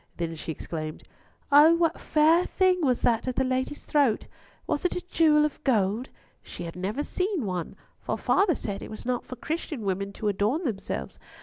Then she exclaimed, "Oh! what fair thing was that at the lady's throat? Was it a jewel of gold? She had never seen one; for father said it was not for Christian women to adorn themselves.